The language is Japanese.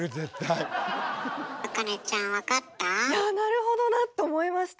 いやなるほどなと思いました。